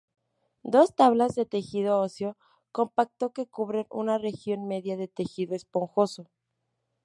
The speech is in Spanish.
Dos tablas de tejido óseo compacto que cubren una región media de tejido esponjoso.